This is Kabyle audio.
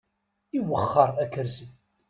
Iwexxer akersi.